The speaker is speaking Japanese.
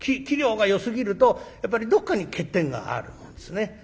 器量がよすぎるとやっぱりどっかに欠点があるもんですね。